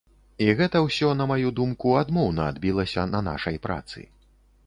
І гэта ўсё, на маю думку, адмоўна адбілася на нашай працы.